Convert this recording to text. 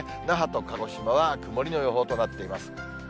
那覇と鹿児島は曇りの予報となっています。